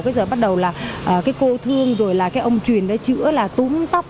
cái giờ bắt đầu là cái cô thương rồi là cái ông truyền đó chữa là túm tóc